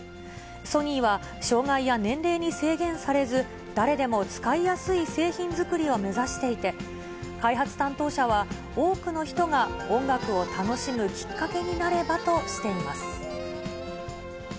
ソニーは、障がいや年齢に制限されず、誰でも使いやすい製品作りを目指していて、開発担当者は、多くの人が音楽を楽しむきっかけになればとしています。